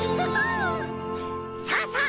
さあさあ